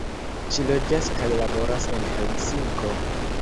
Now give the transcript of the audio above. Ŝi loĝas kaj laboras en Helsinko.